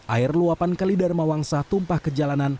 air luapan kali dharma wangsa tumpah ke jalanan